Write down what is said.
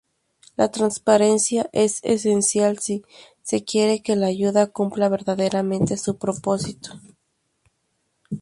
La transparencia es esencial si se quiere que la ayuda cumpla verdaderamente su propósito.